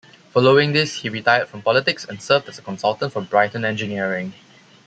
Following this, he retired from politics and served as a consultant for Brighton Engineering.